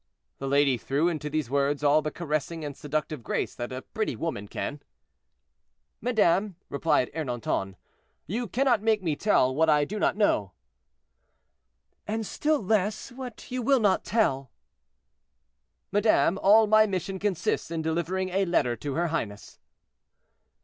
The lady threw into these words all the caressing and seductive grace that a pretty woman can. "Madame," replied Ernanton, "you cannot make me tell what I do not know." "And still less what you will not tell." "Madame, all my mission consists in delivering a letter to her highness."